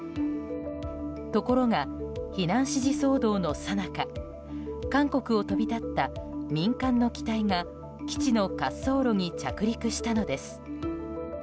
ところが、避難指示騒動のさなか韓国を飛び立った民間の機体が基地の滑走路に着陸したのです。